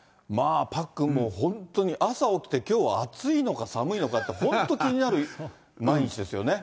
パックン、もう本当に朝起きて、きょうは暑いのか、寒いのかって、本当気になる毎日ですよね。